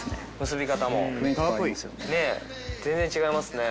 結び方もねえ全然違いますね。